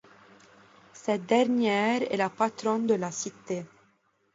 Cette dernière est la patronne de la cité.